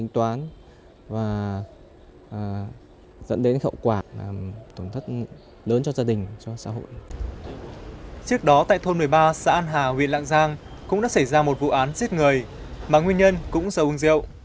trước đó tại thôn một mươi ba xã an hà huyện lạng giang cũng đã xảy ra một vụ án giết người mà nguyên nhân cũng do uống rượu